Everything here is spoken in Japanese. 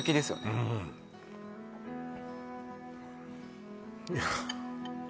うんいや